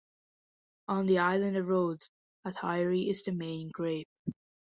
On the island of Rhodes, Athiri is the main grape.